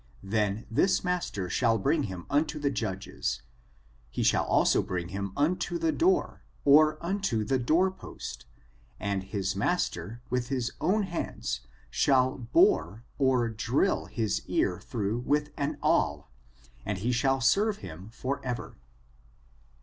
Then his master shall bring him unto the judges ; he shall also bring him unto the door^ or unto the door post, and his master [with his own hands] shall bore [or drill] his ear through with an awlf and he shall serve him for ever."